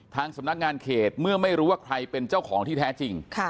สำนักงานเขตเมื่อไม่รู้ว่าใครเป็นเจ้าของที่แท้จริง